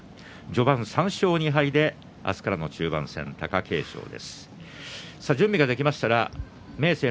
序盤３勝２敗で明日からの中盤戦、貴景勝です。